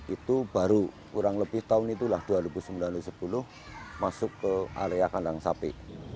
itu baru kurang lebih tahun itulah dua ribu sembilan dua ribu sepuluh masuk ke area kandang sapi